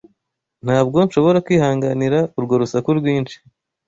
Ntabwo nshobora kwihanganira urwo rusaku rwinshi.